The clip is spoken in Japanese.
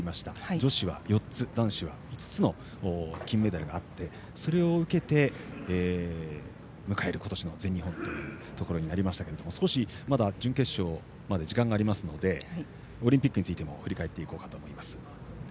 女子は４つ、男子は５つの金メダルがあってそれを受けて、迎える今年の全日本となりましたが少し、まだ準決勝まで時間がありますのでオリンピックについても振り返っていこうかと思います。